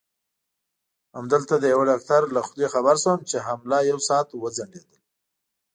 همدلته د یوه ډاکټر له خولې خبر شوم چې حمله یو ساعت وځنډېدل.